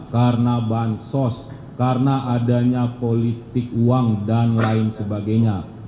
karena bansos karena adanya politik uang dan lain sebagainya